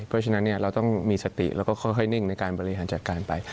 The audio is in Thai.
เพราะฉะนั้นเราต้องมีสติแล้วก็ค่อยนิ่งในการบริหารจัดการไป